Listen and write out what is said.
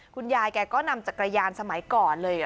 คุณยายแกก็นำจักรยานสมัยก่อนเลย